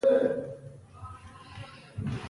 د مولېکولر پیتالوژي جین معلوموي.